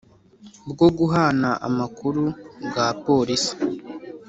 Bwo guhana amakuru bwa polisi